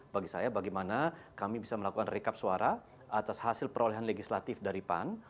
bagi saya bagaimana kami bisa melakukan rekap suara atas hasil perolehan legislatif dari pan